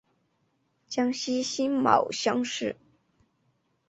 江西辛卯乡试。